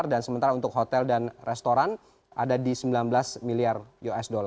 dan sementara untuk hotel dan restoran ada di sembilan belas miliar usd